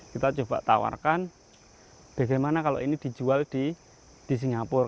kita coba tawarkan bagaimana kalau ini dijual di singapura